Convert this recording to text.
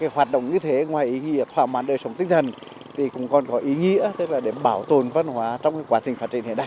hoạt động như thế ngoài ý nghĩa thỏa mãn đời sống tinh thần thì cũng còn có ý nghĩa tức là để bảo tồn văn hóa trong quá trình phát triển hiện đại